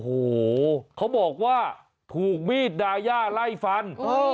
โอ้โหเขาบอกว่าถูกมีดดาย่าไล่ฟัน